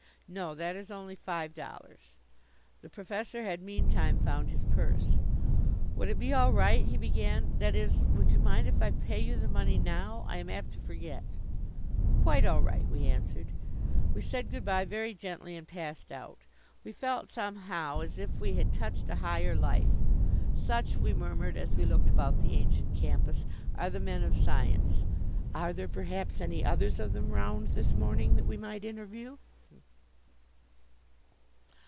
"No, that is only five dollars." The Professor had meantime found his purse. "Would it be all right," he began, "that is, would you mind if I pay you the money now? I am apt to forget." "Quite all right," we answered. We said good bye very gently and passed out. We felt somehow as if we had touched a higher life. "Such," we murmured, as we looked about the ancient campus, "are the men of science: are there, perhaps, any others of them round this morning that we might interview?"